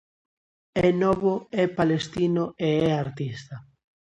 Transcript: É novo, é palestino e é artista.